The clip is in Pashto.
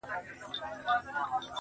نه د ژړا نه د خندا خاوند دی.